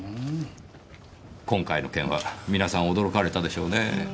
今回の件は皆さん驚かれたでしょうねぇ。